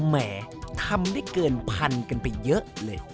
แหมทำได้เกินพันกันไปเยอะเลย